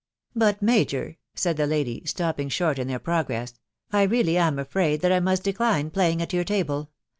..."" But, major," said the lady, stopping short in their pro gress, " I really am afraid that I must decline playing at jour table